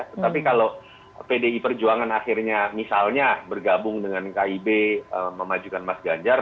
tetapi kalau pdi perjuangan akhirnya misalnya bergabung dengan kib memajukan mas ganjar